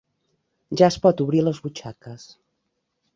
Ja es pot obrir les butxaques.